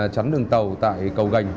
trắn đường tàu tại cầu gành